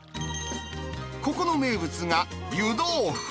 ここの名物が、湯豆腐。